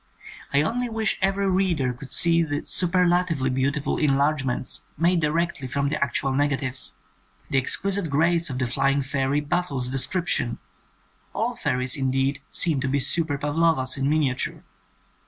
I only wish every reader could see the 102 THE SECOND SERIES superlatively beautiful enlargements made directly from the actual negatives. The ex quisite grace of the flying fairy baffles de scription — all fairies, indeed, seem to be super Pavlovas in miniature.